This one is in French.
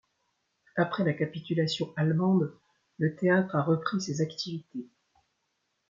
Après la capitulation allemande le théâtre a repris ses activités.